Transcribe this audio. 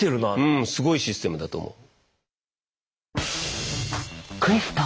うんすごいシステムだと思う。